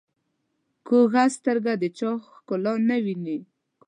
کوږه سترګه د چا ښکلا نه ویني